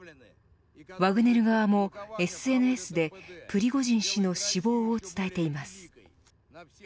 ワグネル側もＳＮＳでプリゴジン氏の死亡を伝えています。